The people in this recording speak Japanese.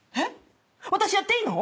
私やっていいの？